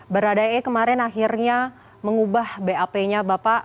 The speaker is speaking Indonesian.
baradae kemarin akhirnya mengubah bap nya bapak